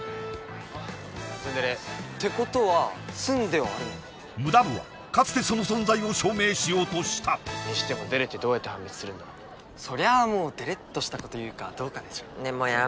ツンデレってことはツンではあるのかムダ部はかつてその存在を証明しようとしたにしてもデレってどうやって判別するそりゃあもうデレッとしたこと言うかどうかでしょねえ